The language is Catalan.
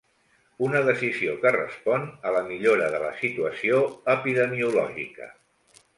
Una decisió que respon a la millora de la situació epidemiològica.